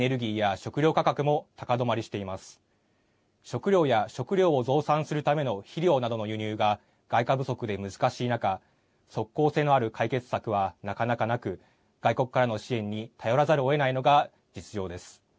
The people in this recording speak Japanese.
食料や食料を増産するための肥料などの輸入が外貨不足で難しい中即効性のある解決策はなかなかなく外国からの支援に頼らざるをえないのが実情です。